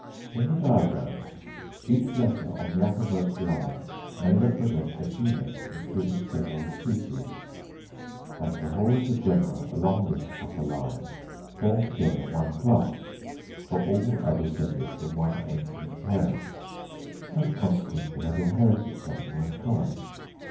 In the diagram each letter on the uppermost line may represent a genus including several species; and the whole of the genera along this upper line form together one class, for all are descended from one ancient parent, and, consequently, have inherited something in common.